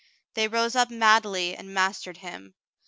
They rose up madly and mastered him.